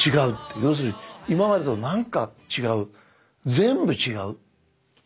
要するに今までと何か違う全部違う。